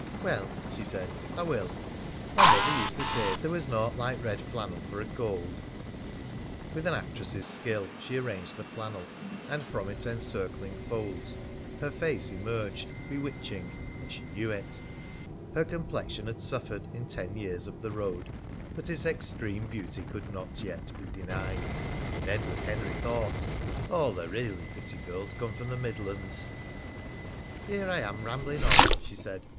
"Well," she said, "I will. My mother used to say there was naught like red flannel for a cold." With an actress' skill she arranged the flannel, and from its encircling folds her face emerged bewitching and she knew it. Her complexion had suffered in ten years of the road, but its extreme beauty could not yet be denied. And Edward Henry thought: "All the really pretty girls come from the Midlands!" "Here I am rambling on," she said.